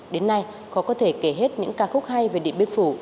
đến nay khó có thể kể hết những ca khúc hay về điện biên phủ